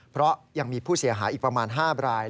เพราะยังมีผู้เสียหายอีกประมาณ๕ราย